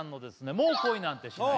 「もう恋なんてしない」